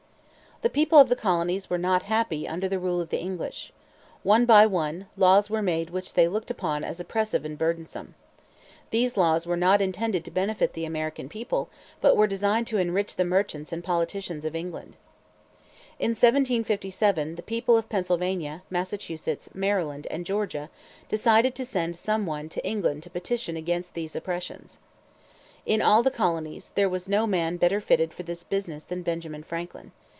The people of the colonies were not happy under the rule of the English. One by one, laws were made which they looked upon as oppressive and burdensome. These laws were not intended to benefit the American people, but were designed to enrich the merchants and politicians of England. In 1757 the people of Pennsylvania, Massachusetts, Maryland, and Georgia, decided to send some one to England to petition against these oppressions. In all the colonies there was no man better fitted for this business than Benjamin Franklin.